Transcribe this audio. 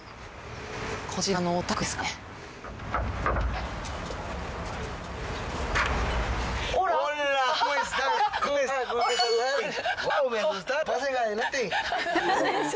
こちらのお宅ですかね。